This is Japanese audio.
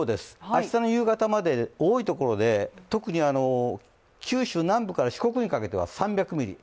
明日の夕方まで多いところで、特に九州南部から四国にかけては３００ミリ。